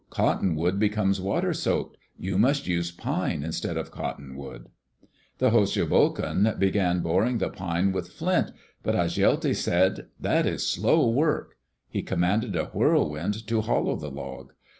Cottonwood becomes water soaked. You must use pine instead of cottonwood." The Hostjobokon began boring the pine with flint, but Hasjelti said, "That is slow work." He commanded a whirlwind to hollow the log.